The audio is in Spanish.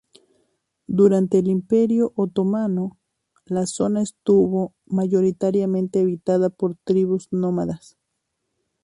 Durante el Imperio Otomano, la zona estuvo mayoritariamente habitada por tribus nómadas.